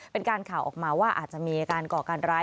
เป็นการข่าวออกมาว่าอาจจะมีการก่อการร้าย